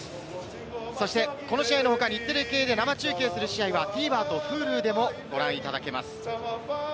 この試合の他、日テレ系で生中継する試合はＴＶｅｒとＨｕｌｕでもご覧いただけます。